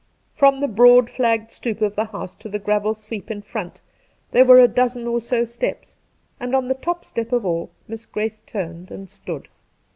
From the broad flagged stoep of the house to the gravel sweep in fi ont there were a dozen or so steps, and on the top step of all Miss Grace turned and stood.